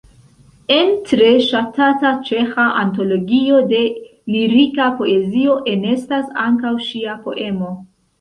En tre ŝatata ĉeĥa antologio de lirika poezio enestas ankaŭ ŝia poemo.